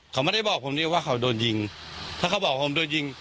เขาไม่ได้บอกผมเรียกว่าเขาโดนยิงถ้าเขาบอกผมโดนยิง